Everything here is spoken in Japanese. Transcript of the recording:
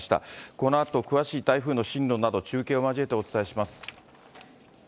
このあと詳しい台風の進路など、中継を交えてお伝えします。